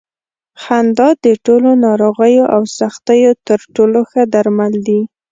خندا د ټولو ناروغیو او سختیو تر ټولو ښه درمل دي.